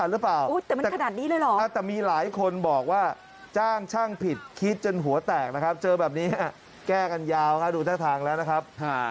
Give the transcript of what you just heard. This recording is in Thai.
ดูทางแล้วนะครับ